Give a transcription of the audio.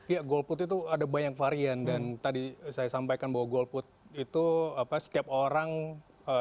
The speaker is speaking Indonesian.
ya golput itu ada banyak varian dan tadi saya sampaikan bahwa golput itu setiap orang sikap politiknya sangat indah